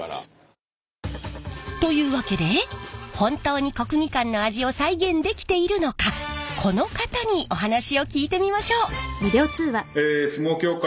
というわけで本当に国技館の味を再現できているのかこの方にお話を聞いてみましょう。